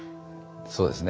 そうですね。